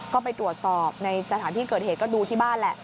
ก็ไปตรวจสอบในสถานที่เกิดเหตุก็ดูที่บ้านแหละ